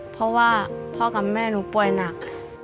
เพราะว่าพ่อกับแม่หนูป่วยหนัก